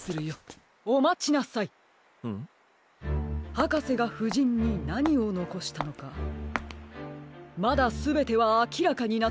はかせがふじんになにをのこしたのかまだすべてはあきらかになっていません。